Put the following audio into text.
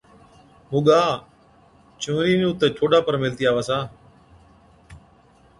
’موڳا، چونئرِي نُون تہ ٺوڏا پر ميهلتِي آوَس ها‘۔